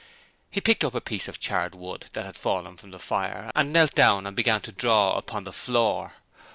He picked up a piece of charred wood that had fallen from the fire and knelt down and began to draw upon the floor.